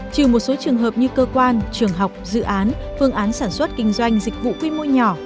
trừ một số trường hợp như cơ quan trường học dự án phương án sản xuất kinh doanh dịch vụ quy mô nhỏ